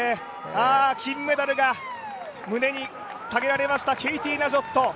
金メダルが胸に下げられましたケイティ・ナジョット